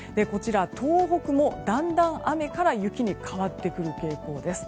東北もだんだん雨から雪に変わってくる傾向です。